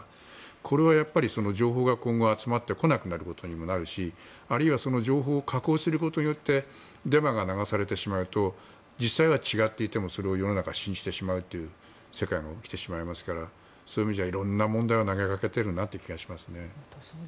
これはやっぱり、情報が今後集まってこなくなることにもなるしあるいはその情報を加工することによってデマが流されてしまうと実際は違っていてもそれを世の中は信じてしまうということが起きてしまいますからそういう意味では色んな問題を投げかけているなという気がしますね。